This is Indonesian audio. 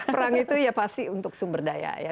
perang itu ya pasti untuk sumber daya ya